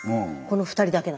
この２人だけ。